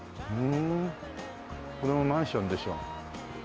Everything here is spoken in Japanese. これもマンションでしょ？